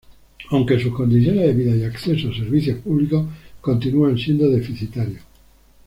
Aunque, sus condiciones de vida y acceso a servicios públicos continúan siendo deficitarios.